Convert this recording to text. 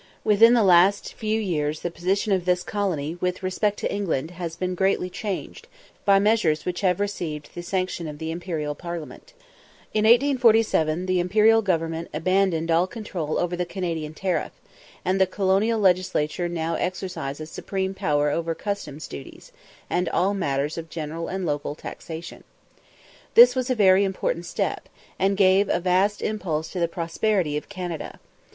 Within the last few years the position of this colony, with respect to England, has been greatly changed, by measures which have received the sanction of the Imperial Parliament. In 1847 the Imperial Government abandoned all control over the Canadian tariff, and the colonial legislature now exercises supreme power over customs duties, and all matters of general and local taxation. This was a very important step, and gave a vast impulse to the prosperity of Canada.